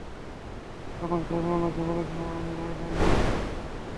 এমনকি আমি উনাকে বলেছিলাম আমি রাইডার হিসেবে যুক্ত হতে চাই।